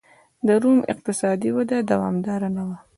د روم اقتصادي وده دوامداره نه وه